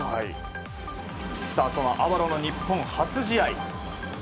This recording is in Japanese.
そのアバロの日本初試合。